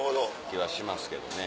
気はしますけどね。